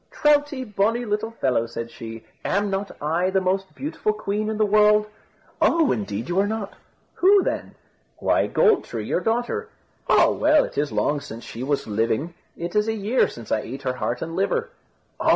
"Troutie, bonny little fellow," said she, "am not I the most beautiful queen in the world?" "Oh! indeed you are not." "Who then?" "Why, Gold tree, your daughter." "Oh! well, it is long since she was living. It is a year since I ate her heart and liver." "Oh!